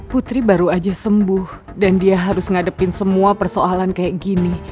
putri baru aja sembuh dan dia harus ngadepin semua persoalan kayak gini